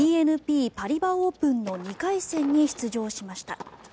ＢＮＰパリバ・オープンの２回戦に出場しました。